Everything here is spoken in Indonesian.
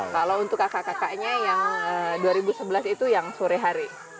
kalau untuk kakak kakaknya yang dua ribu sebelas itu yang sore hari